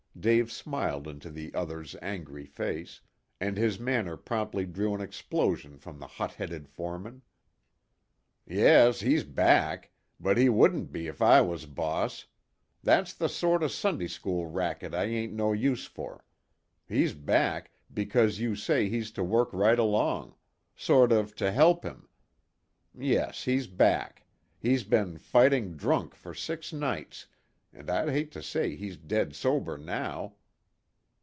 Dave smiled into the other's angry face, and his manner promptly drew an explosion from the hot headed foreman. "Yes, he's back. But he wouldn't be if I was boss. That's the sort o' Sunday school racket I ain't no use for. He's back, because you say he's to work right along. Sort of to help him. Yes, he's back. He's been fightin' drunk fer six nights, and I'd hate to say he's dead sober now."